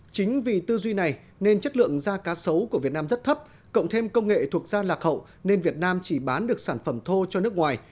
chính vì tư duy này nên chất lượng da cá sấu của việt nam rất thấp cộng thêm công nghệ thuộc da lạc hậu nên việt nam chỉ bán được sản phẩm thô cho nước ngoài